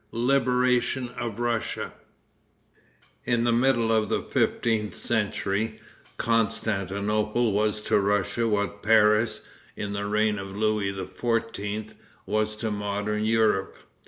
Liberation of Russia. In the middle of the fifteenth century, Constantinople was to Russia what Paris, in the reign of Louis XIV., was to modern Europe.